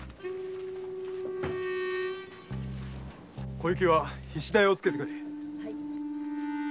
小雪は菱田屋をつけてくれ。